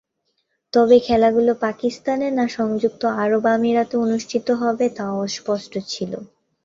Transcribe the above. তবে, খেলাগুলো পাকিস্তানে না সংযুক্ত আরব আমিরাতে অনুষ্ঠিত হবে তা অস্পষ্ট ছিল।